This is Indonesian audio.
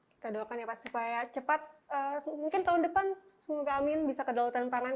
kita doakan ya pak supaya cepat mungkin tahun depan semoga amin bisa kedaulatan pangan